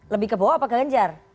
lebih ke bawah apa ke ganjar